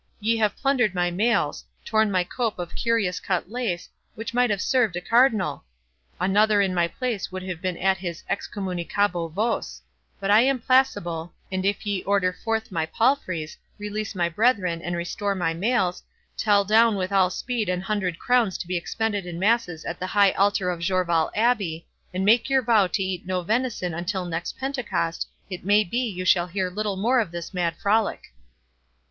Ye have plundered my mails—torn my cope of curious cut lace, which might have served a cardinal!—Another in my place would have been at his 'excommunicabo vos'; but I am placible, and if ye order forth my palfreys, release my brethren, and restore my mails, tell down with all speed an hundred crowns to be expended in masses at the high altar of Jorvaulx Abbey, and make your vow to eat no venison until next Pentecost, it may be you shall hear little more of this mad frolic."